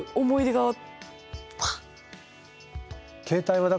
思い出が。